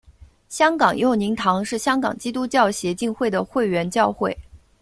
香港佑宁堂是香港基督教协进会的会员教会。